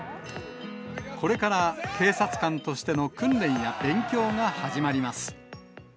これから警察官としての訓練や勉強が始まります。